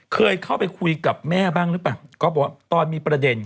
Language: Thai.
เคยเข้าไปคุยกับแม่บ้างหรือเปล่าก็บอกว่าตอนมีประเด็น